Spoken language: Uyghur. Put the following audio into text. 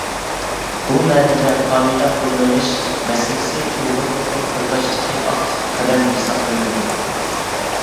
بۇ مەنىدە فامىلە قوللىنىش مەسىلىسى ئۇيغۇرلۇقنى قوغداشتىكى ئاكتىپ قەدەم ھېسابلىنىدۇ.